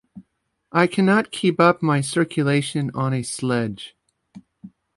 I cannot keep up my circulation on a sledge.